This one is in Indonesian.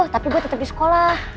tapi gue tetap di sekolah